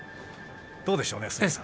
どうでしょうね？